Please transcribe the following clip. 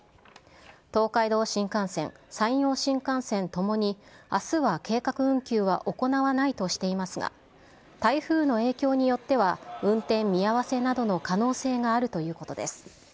東海道新幹線、山陽新幹線ともに、あすは計画運休は行わないとしていますが、台風の影響によっては、運転見合わせなどの可能性があるということです。